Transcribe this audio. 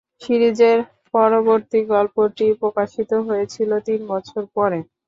সিরিজের পরবর্তী গল্পটি প্রকাশিত হয়েছিল তিন বছর পরে।